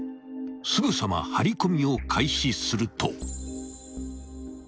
［すぐさま張り込みを開始すると］